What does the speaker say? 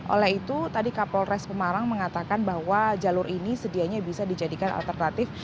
oleh itu tadi kapolres pemalang mengatakan bahwa jalur ini sedianya bisa dijadikan alternatif